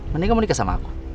mending kamu menikah sama aku